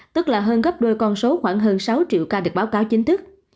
tức là hơn gấp đôi con số khoảng hơn sáu triệu ca được báo cáo chính thức